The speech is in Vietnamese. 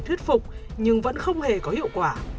thuyết phục nhưng vẫn không hề có hiệu quả